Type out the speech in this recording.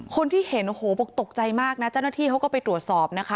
คนที่เห็นโอ้โหบอกตกใจมากนะเจ้าหน้าที่เขาก็ไปตรวจสอบนะคะ